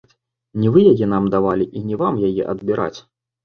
Не вы яе нам давалі і не вам яе адбіраць.